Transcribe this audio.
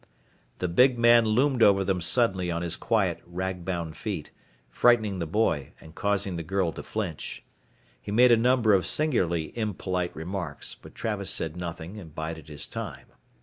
The big man loomed over them suddenly on his quiet rag bound feet, frightening the boy and causing the girl to flinch. He made a number of singularly impolite remarks, but Travis said nothing and bided his time.